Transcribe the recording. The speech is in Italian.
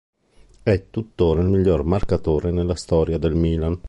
È tuttora il miglior marcatore nella storia del Milan.